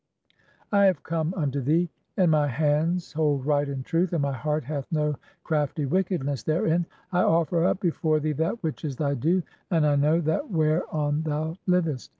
"I have come unto thee, and my hands hold right and truth, "and my heart hath no crafty wickedness therein. (40) I offer "up before thee that which is thy due, and I know that whereon "thou livest.